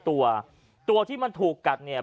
ตัวตัวที่มันถูกกัดเนี่ย